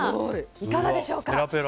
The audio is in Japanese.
いかがでしょうか？